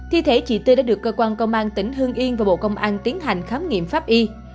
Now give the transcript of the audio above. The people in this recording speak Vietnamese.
thi thể chị tư đã được cơ quan công an tỉnh hương yên và bộ công an tiến hành khám nghiệm pháp y